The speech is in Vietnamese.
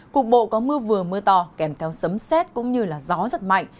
cục bộ có mưa vừa mưa to kèm theo sấm xét cũng như gió rất mạnh